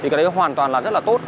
thì cái đấy hoàn toàn là rất là tốt